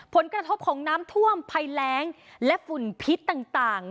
ผลกระทบของน้ำท่วมภัยแรงและฝุ่นพิษต่าง